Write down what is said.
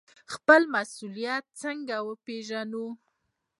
خپل مسوولیت څنګه وپیژنو؟